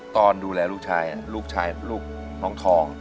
ตอนดูแลลูกชายลูกชายลูกน้องทอง